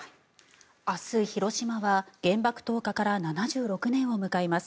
明日、広島は原爆投下から７６年を迎えます。